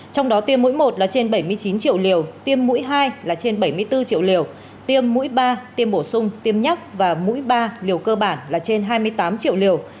trong đó tiêm mỗi một là trên bảy mươi chín triệu liều tiêm mũi hai là trên bảy mươi bốn triệu liều tiêm mũi ba tiêm bổ sung tiêm nhắc và mũi ba liều cơ bản là trên hai mươi tám triệu liều